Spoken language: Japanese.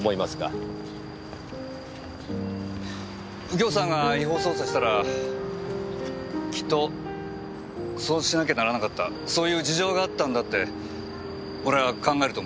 右京さんが違法捜査したらきっとそうしなきゃならなかったそういう事情があったんだって俺は考えると思います。